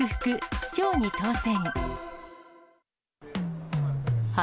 市長に当選。